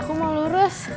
aku mau lurus